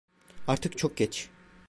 Artık çok geç.